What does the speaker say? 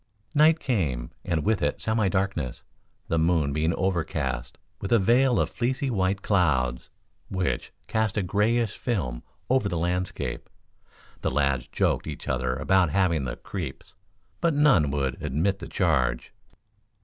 Night came, and with it semi darkness, the moon being overcast with a veil of fleecy white clouds, which cast a grayish film over the landscape. The lads joked each other about having the "creeps," but none would admit the charge.